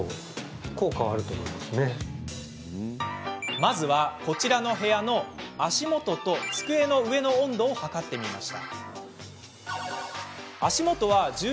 まずは、こちらの部屋の足元と机の上の温度を測ってみました。